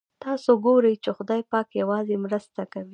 تاسو ګورئ چې خدای پاک یوازې مرسته کوي.